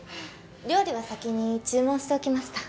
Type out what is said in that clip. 料理は先に注文しておきました。